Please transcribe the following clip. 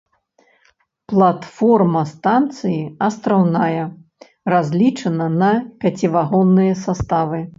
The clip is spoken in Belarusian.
Платформа станцыі астраўная, разлічана на пяцівагонныя саставы.